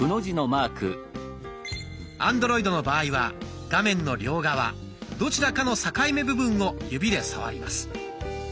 アンドロイドの場合は画面の両側どちらかの境目部分を指で触ります。